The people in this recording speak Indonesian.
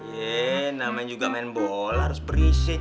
yee nah main juga main bola harus berisik